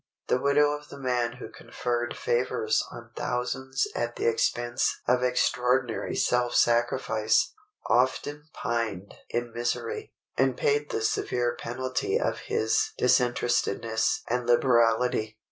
The widow of the man who conferred favors on thousands at the expense of extraordinary self sacrifice, often pined in misery, and paid the severe penalty of his disinterestedness and liberality.